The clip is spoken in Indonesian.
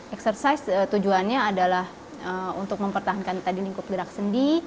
eksersis tujuannya adalah untuk mempertahankan tadi lingkup gerak sendi